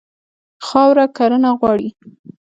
خاوره کرنه غواړي.